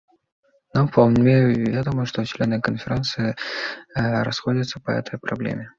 Нам вполне ведомо, что члены Конференции расходятся по этой проблеме.